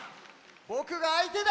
ぼくがあいてだ！